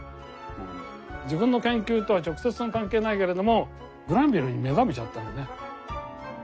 自分の研究とは直接関係ないけれどもグランヴィルに目覚めちゃったのね。